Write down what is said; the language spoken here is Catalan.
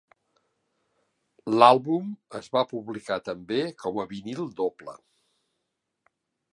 L'àlbum es va publicar també com a vinil doble.